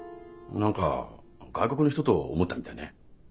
何か外国の人と思ったみたいね。